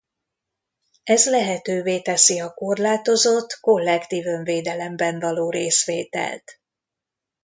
Ez lehetővé teszi a korlátozott kollektív önvédelemben való részvételt.